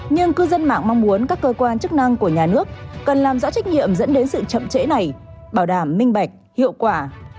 nhưng cư dân mạng mong muốn các cơ quan chức năng của nhà nước cần làm rõ trách nhiệm dẫn đến sự chậm trễ này bảo đảm minh bạch hiệu quả